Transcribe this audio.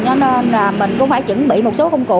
cho nên là mình cũng phải chuẩn bị một số công cụ